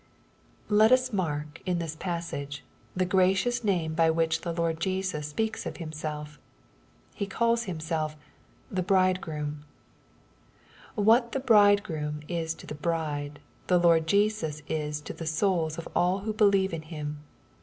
Let us mark in this passage, the gracious name by which the Lord Jesus speaks of Himself. He calls Himself *' the bridegroom'^ Whafihe bridegroom is to the bride, the Lord Jesus is to the souls of all who believe in Him.